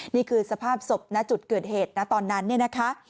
นี่คือสภาพศพณจุดเกิดเหตุตอนนั้น